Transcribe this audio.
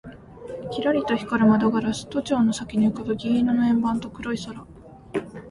キラリと光る窓ガラス、都庁の先に浮ぶ銀色の円盤と黒い空